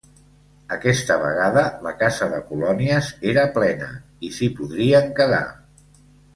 Aquesta vegada la casa de colònies era plena i s'hi podrien quedar.